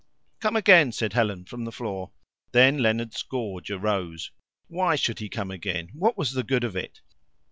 "Come again," said Helen from the floor. Then Leonard's gorge arose. Why should he come again? What was the good of it?